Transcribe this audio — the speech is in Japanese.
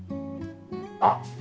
あっ！